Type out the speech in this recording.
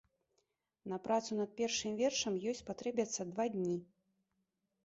На працу над першым вершам ёй спатрэбяцца два дні.